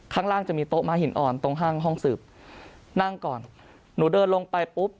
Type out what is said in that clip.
ข้างล่างจะมีโต๊ะม้าหินอ่อนตรงห้างห้องสืบนั่งก่อนหนูเดินลงไปปุ๊บ